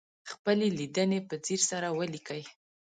خپلې لیدنې په ځیر سره ولیکئ.